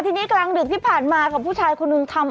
ทีนี้กลางดึกที่ผ่านมากับผู้ชายคนหนึ่งทำ